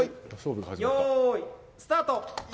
よーい、スタート！